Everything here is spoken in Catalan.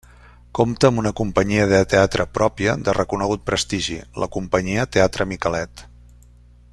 Compta amb una companyia de teatre pròpia de reconegut prestigi, la Companyia Teatre Micalet.